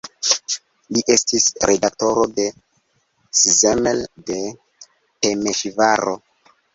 Li estis redaktoro de "Szemle" de Temeŝvaro.